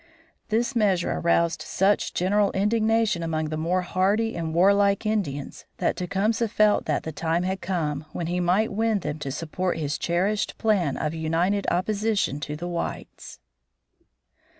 This measure aroused such general indignation among the more hardy and warlike Indians that Tecumseh felt the time had come when he might win them to support his cherished plan of united opposition to the whites.